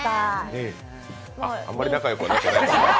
あんまり仲良くなっていないですね。